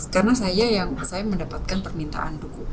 karena saya yang saya mendapatkan permintaan dukungan